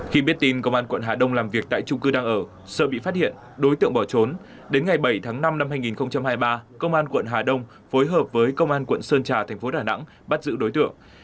khi biết tin công an quận hà đông làm việc tại trung cư đang ở sợ bị phát hiện đối tượng bỏ trốn đến ngày bảy tháng năm năm hai nghìn hai mươi ba công an quận hà đông phối hợp với công an quận sơn trà thành phố đà nẵng bắt giữ đối tượng